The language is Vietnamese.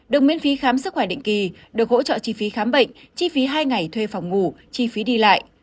đồng miễn phí khám sức khỏe định kỳ được hỗ trợ chi phí khám bệnh chi phí hai ngày thuê phòng ngủ chi phí đi lại